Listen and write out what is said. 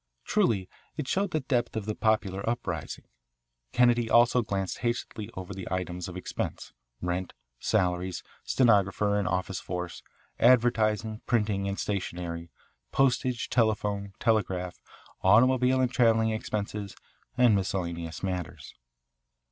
Truly it showed the depth of the popular uprising. Kennedy also glanced hastily over the items of expense rent, salaries, stenographer and office force, advertising, printing and stationery, postage, telephone, telegraph, automobile and travelling expenses, and miscellaneous matters.